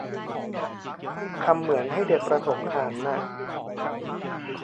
คำเหมือนให้เด็กประถมอ่านน่ะ